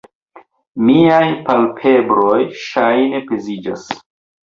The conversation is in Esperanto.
Miaj palpebroj ŝajne peziĝis.